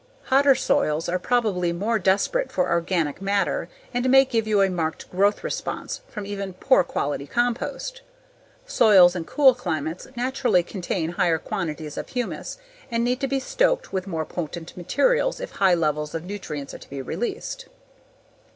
Hotter soils are probably more desperate for organic matter and may give you a marked growth response from even poor quality compost; soils in cool climates naturally contain higher quantities of humus and need to be stoked with more potent materials if high levels of nutrients are to be released.